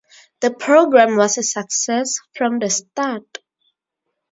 The programme was a success from the start.